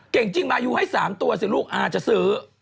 เก่งจริงมายูให้๓ตัวสิลูกอาจจะซื้อ